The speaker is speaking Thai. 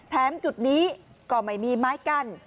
จุดนี้ก็ไม่มีไม้กั้น